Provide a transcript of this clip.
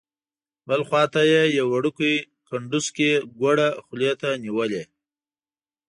بل خوا ته یې یو وړوکی کنډوسکی ګوړه خولې ته نیولې.